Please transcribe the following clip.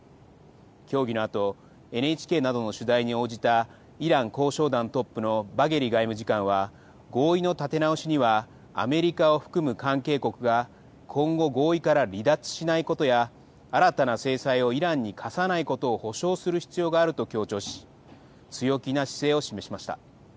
協議のあと、ＮＨＫなどの取材に応じたイラン交渉団トップのバゲリ外務次官は、合意の立て直しには、アメリカを含む関係国が今後、合意から離脱しないことや、新たな制裁をイランに科さないことを保証する必要があると強調し、強気な姿勢を示しました。